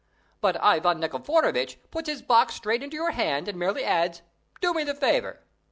but Ivan Nikiforovitch puts his box straight into your hand and merely adds, "Do me the favour."